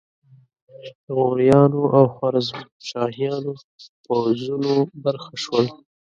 د غوریانو او خوارزمشاهیانو پوځونو برخه شول.